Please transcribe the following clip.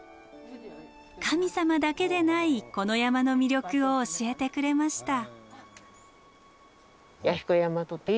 神様だけでないこの山の魅力を教えてくれました。